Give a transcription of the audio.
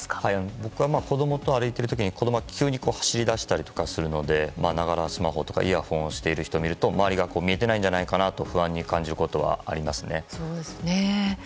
僕は子供と歩いている時に子供が急に走り出したりするのでながらスマホとかイヤホンをしている人を見ると周りが見えてないんじゃないかと不安に感じることはありますね。